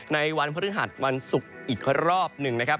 ในวันพฤหัสวันศุกร์อีกรอบหนึ่งนะครับ